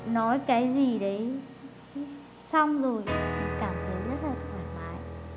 nói cái gì đấy xong rồi cảm thấy rất là thoải mái